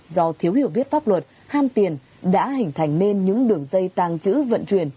do thiếu hiểu biết pháp luật ham tiền đã hình thành nên những đường dây tàng trữ vận chuyển